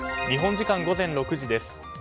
日本時間午前６時です。